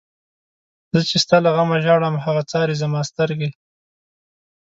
زه چی ستا له غمه ژاړم، هغه څاری زما سترگی